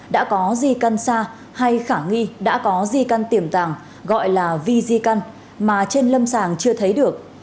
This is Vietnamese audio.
đã có di căn xa hay khả nghi đã có di căn tiềm tàng gọi là v di căn mà trên lâm sàng chưa thấy được